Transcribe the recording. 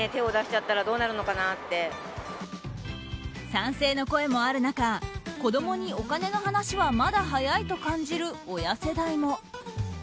賛成の声もある中子供にお金の話はまだ早いと感じる親世代も。